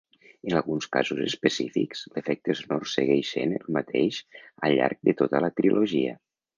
En alguns casos específics, l'efecte sonor segueix sent el mateix al llarg de tota la trilogia.